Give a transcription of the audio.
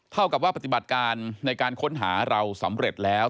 เท่ากับว่าปฏิบัติการในการค้นหาเราสำเร็จแล้ว